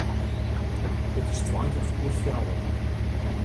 It is tweintich oer fjouweren.